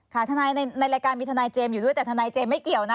ทนายในรายการมีทนายเจมส์อยู่ด้วยแต่ทนายเจมส์ไม่เกี่ยวนะ